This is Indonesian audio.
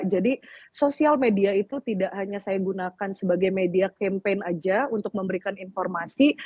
jadi sosial media itu tidak hanya saya gunakan sebagai media campaign aja untuk memberikan informasi